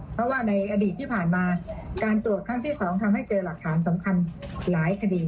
เพราะว่าในอดีตที่ผ่านมาการตรวจครั้งที่๒ทำให้เจอหลักฐานสำคัญหลายคดี